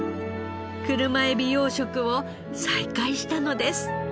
車エビ養殖を再開したのです。